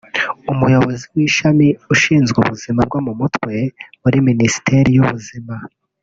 umuyobozi w’ishami rishinzwe ubuzima bwo mu mutwe muri Minisiteri y’Ubuzima